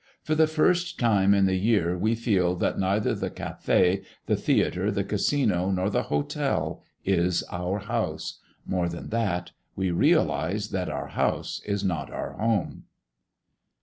For the first time in the year we feel that neither the café, the theatre, the casino, nor the hotel is our house. More than that, we realize that our house is not our home.